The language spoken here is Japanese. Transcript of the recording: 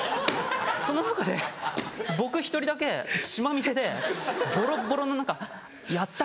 その中で僕１人だけ血まみれでボロボロの何か「やった！